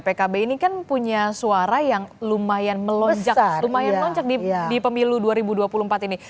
pkb ini kan punya suara yang lumayan melonjak lumayan melonjak di pemilu dua ribu dua puluh empat ini